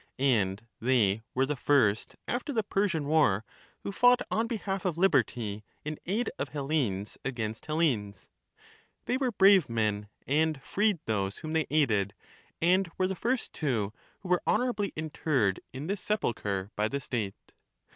And they were the first after the Persian war who fought on behalf of liberty in aid of Hellenes against Hellenes ; they were brave men, and freed those whom they aided, and were the first too who were honourably interred in this sepulchre by the state.